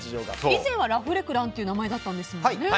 以前はラフレクランという名前だったんですよね。